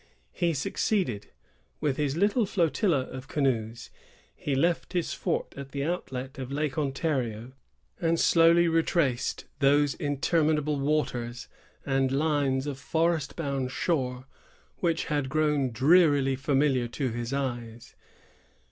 He succeeded. With his little flotilla of canoes, he left his fort, at the outlet of Lake Ontario, and slowly retraced those interminable waters, and lines of forest bounded shore, which had grown drearily familiar to his eyes.